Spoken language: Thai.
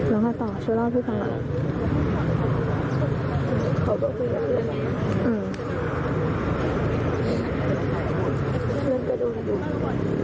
ลองมาต่อช่วยเล่าพี่ฟังหน่อย